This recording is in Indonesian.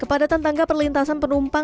kepadatan tangga perlintasan penumpang